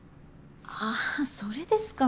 ああそれですか。